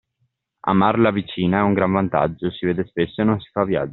Amar la vicina è un gran vantaggio, si vede spesso e non si fa viaggio.